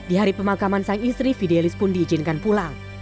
di hari pemakaman sang istri fidelis pun diizinkan pulang